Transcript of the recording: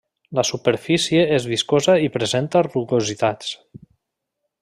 La superfície és viscosa i presenta rugositats.